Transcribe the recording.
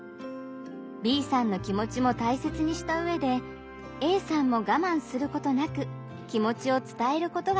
Ｂさんの気持ちも大切にした上でＡさんもがまんすることなく気持ちを伝えることができます。